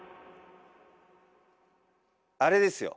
あれですよ。